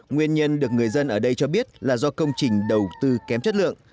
nguyên nhân được người dân ở đây cho biết là do công trình đầu tư kém chất lượng